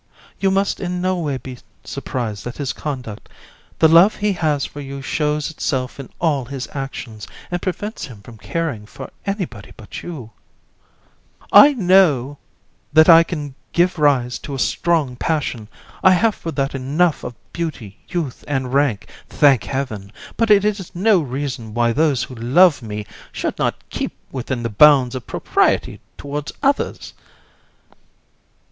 JU. You must in no way be surprised at his conduct. The love he has for you shows itself in all his actions, and prevents him from caring for anybody but you. COUN. I know that I can give rise to a strong passion; I have for that enough of beauty, youth, and rank, thank Heaven; but it is no reason why those who love me should not keep within the bounds of propriety towards others.